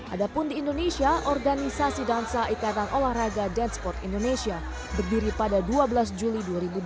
adapun di indonesia organisasi dansa ikatan olahraga danceport indonesia berdiri pada dua belas juli dua ribu dua puluh